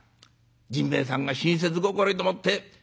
甚兵衛さんが親切心でもって。